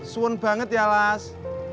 suan banget ya las